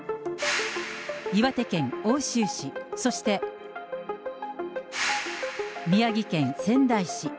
岩手県奥州市、そして宮城県仙台市。